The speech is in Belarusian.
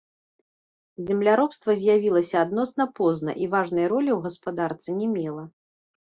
Земляробства з'явілася адносна позна і важнай ролі ў гаспадарцы не мела.